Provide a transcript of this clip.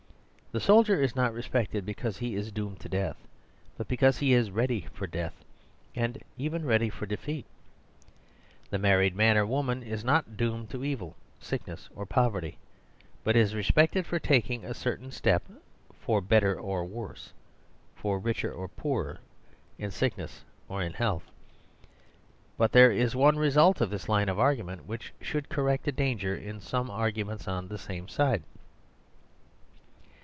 The soldier is not respected The Tragedies of Marriage 118 because he is doomed to death, but because he is ready for death ; and even ready for de feat. The married man or woman is not doomed to evil, sickness or poverty; but is respected for taking a certain step for better for worse, for richer for poorer, in sickness or in health. But there is one result of this line of argument which should correct a danger in some arguments on the same side.